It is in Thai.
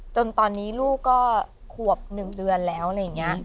จนตอนนี้ลูกก็ขวบ๑เดือนแล้วอะไรอย่างนี้